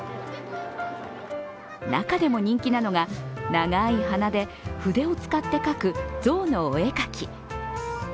中でも人気なのが、長い鼻で筆を使って描くゾウのお絵かき。